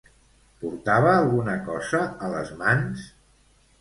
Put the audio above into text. Portava alguna cosa a les mans?